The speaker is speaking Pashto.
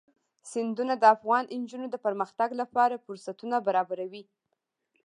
سیندونه د افغان نجونو د پرمختګ لپاره فرصتونه برابروي.